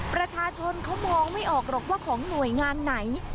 ประชาชนเขามองไม่ออกหรอกว่าของหน่วยงานไหน